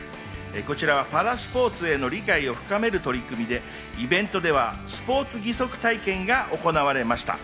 こちらはパラスポーツへの理解を深める取り組みで、イベントではスポーツ義足体験が行われました。